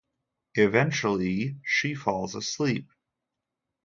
Eventually she falls asleep.